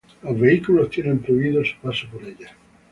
Los vehículos tienen prohibido su paso por ella.